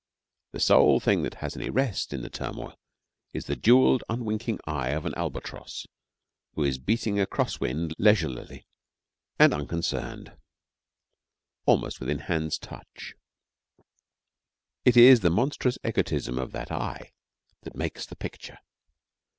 The sole thing that has any rest in the turmoil is the jewelled, unwinking eye of an albatross, who is beating across wind leisurely and unconcerned, almost within hand's touch. It is the monstrous egotism of that eye that makes the picture.